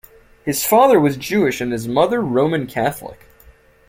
His father was Jewish and his mother Roman Catholic.